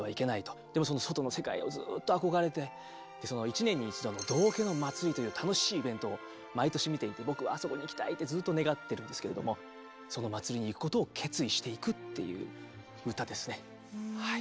でも外の世界をずっと憧れて一年に一度の道化の祭りという楽しいイベントを毎年見ていて僕はあそこに行きたいってずっと願ってるんですけれどもその祭りに行くことを決意していくっていう歌ですねはい。